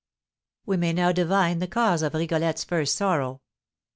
We may now divine the cause of Rigolette's first sorrow.